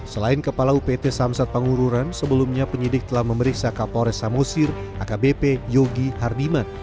selain kepala upt samsat pangururan sebelumnya penyidik telah memeriksa kapolres samosir akbp yogi hardiman